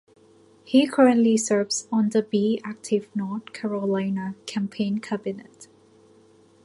He currently serves on the Be Active North Carolina Campaign Cabinet.